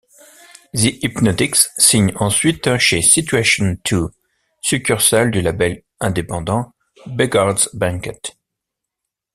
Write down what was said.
Thee Hypnotics signent ensuite chez Situation Two, succursale du label indépendant Beggars Banquet.